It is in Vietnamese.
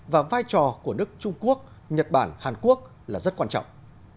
và vai trò của đức trung quốc nhật bản hàn quốc là rất quan trọng